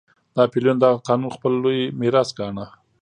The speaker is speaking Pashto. ناپلیون دغه قانون خپل لوی میراث ګاڼه.